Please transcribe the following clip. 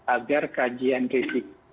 agar kajian risiko